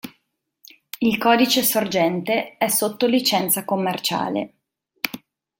Il codice sorgente è sotto licenza commerciale.